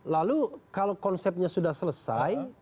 lalu kalau konsepnya sudah selesai